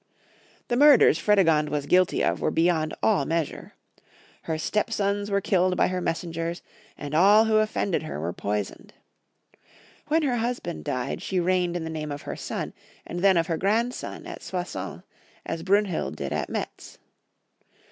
The miu'ders Fredegond was guilty of were beyond all measure. Her step sons were killed by her messengers, and all who offended her were poisoned. When her husband died, she 52 Young Folks* History of Germany. reigned in the name of her son and then of her grandson at Soissons, as Brunhild did at Metz.